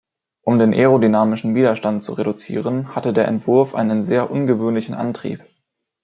Um den aerodynamischen Widerstand zu reduzieren hatte der Entwurf einen sehr ungewöhnlichen Antrieb.